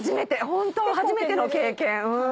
ホント初めての経験。